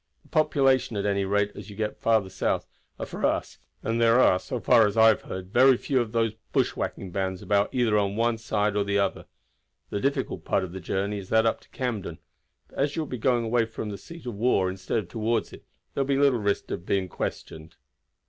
The population, at any rate as you get south, are for us, and there are, so far as I have heard, very few of these bushwhacking bands about either on one side or the other. The difficult part of the journey is that up to Camden, but as you will be going away from the seat of war instead of toward it there will be little risk of being questioned."